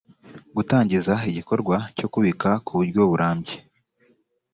gutangiza igikorwa cyo kubika ku buryo burambye